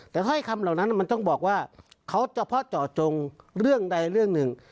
แต่ถ้อยคำเหล่านั้นมันต้องบอกว่าเขาเฉพาะเจาะจงเรื่องใดเรื่องหนึ่ง